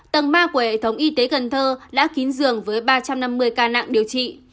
tầng ba của hệ thống y tế cần thơ đã kín giường với ba trăm năm mươi ca nặng điều trị